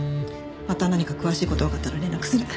また何か詳しい事がわかったら連絡する。